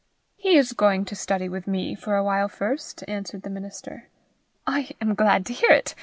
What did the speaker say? "He is going to study with me for a while first," answered the minister. "I am glad to hear it.